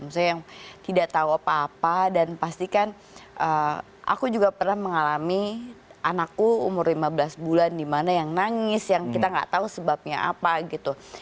misalnya yang tidak tahu apa apa dan pastikan aku juga pernah mengalami anakku umur lima belas bulan dimana yang nangis yang kita nggak tahu sebabnya apa gitu